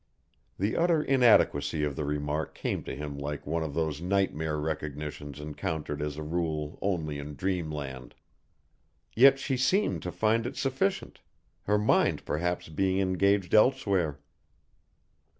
The utter inadequacy of the remark came to him like one of those nightmare recognitions encountered as a rule only in Dreamland. Yet she seemed to find it sufficient, her mind perhaps being engaged elsewhere.